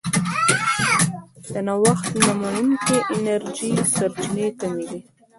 د نوښت نه منونکې انرژۍ سرچینې کمې دي.